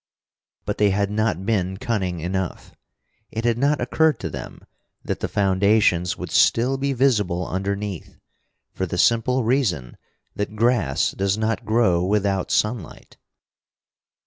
But they had not been cunning enough. It had not occurred to them that the foundations would still be visible underneath, for the simple reason that grass does not grow without sunlight.